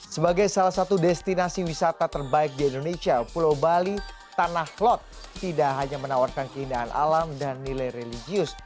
sebagai salah satu destinasi wisata terbaik di indonesia pulau bali tanah klot tidak hanya menawarkan keindahan alam dan nilai religius